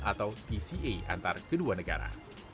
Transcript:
atau tca antar kedua negara